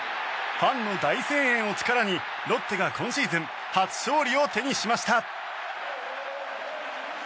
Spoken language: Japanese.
ファンの大声援を力にロッテが今シーズン初勝利を手にしました。